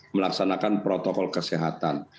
melaksanakan protokol kesehatan